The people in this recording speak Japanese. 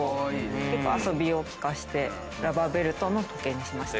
結構遊びを利かせてラバーベルトの時計にしました。